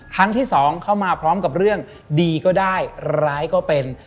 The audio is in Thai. ครั้งที่สองเข้ามาพร้อมกับเรื่องดีก็ได้ร้ายก็เป็น